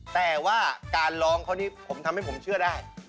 แต่ว่าการร้องเขานี้ผมทำให้ผมเชื่อได้